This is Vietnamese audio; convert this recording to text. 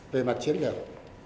về mặt chiến đấu